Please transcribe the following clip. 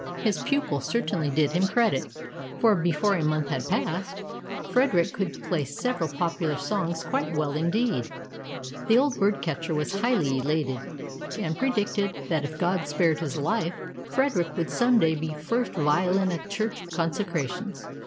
His pupil certainly did him credit, for before a month had passed, Frederick could play several popular songs quite well indeed. The old bird catcher was highly elated, and predicted that if God spared his life, Frederick would some day be first violin at church consecrations.